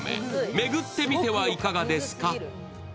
巡ってみてはいかがですか？